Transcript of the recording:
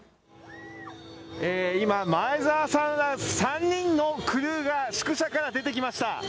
今、前澤さんら３人のクルーが宿舎から出てきました。